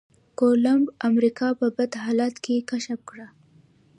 کولمب امريکا په بد حالاتو کې کشف کړه.